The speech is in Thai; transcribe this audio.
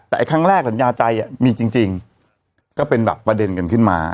แต่ครั้งแรกสัญญาใจมีจริงก็เป็นแบบประเด็นกันขึ้นมา